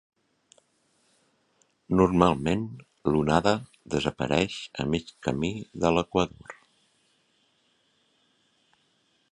Normalment, l'Onada desapareix a mig camí de l'equador.